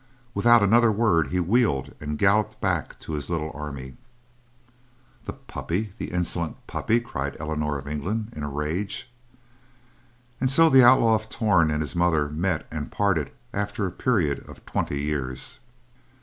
Without another word he wheeled and galloped back to his little army. "The puppy, the insolent puppy," cried Eleanor of England, in a rage. And so the Outlaw of Torn and his mother met and parted after a period of twenty years.